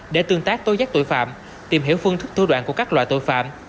để tương tác tối giác tội phạm tìm hiểu phương thức thua đoạn của các loại tội phạm